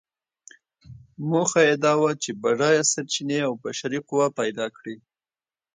موخه یې دا وه چې بډایه سرچینې او بشري قوه پیدا کړي.